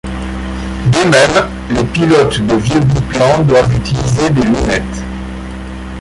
De même, les pilotes de vieux biplans doivent utiliser des lunettes.